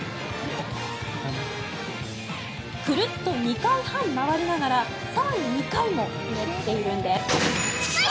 クルッと２回半回りながら更に２回もひねっているんです。